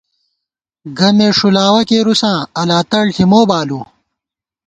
گمے ݭُلاوَہ کېرُوساں ، اَلاتَڑ ݪی مو بالُوؤ